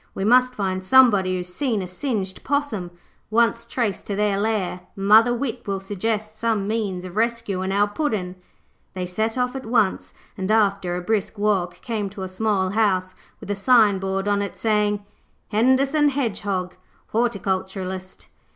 We must find somebody who has seen a singed possum. Once traced to their lair, mother wit will suggest some means of rescuing our Puddin'.' They set off at once, and, after a brisk walk, came to a small house with a signboard on it saying, 'Henderson Hedgehog, Horticulturist'.